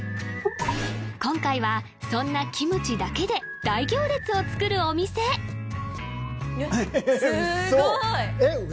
今回はそんなキムチだけで大行列を作るお店えっ嘘！？